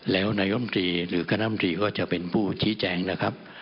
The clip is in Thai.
แล้วนายอมตรีหรือการอภิปรายก็จะเป็นผู้จีแจงนะครับ